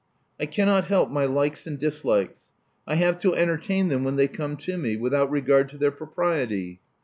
I cannot help my likes and dis likes: I have to entertain them when they come to me, without regard to their propriety.